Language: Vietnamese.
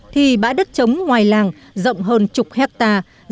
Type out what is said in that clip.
thì bãi đất chống ngoài làng rộng hơn chục hectare